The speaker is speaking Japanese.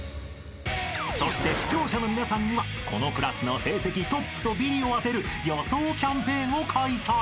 ［そして視聴者の皆さんにはこのクラスの成績トップとビリを当てる予想キャンペーンを開催］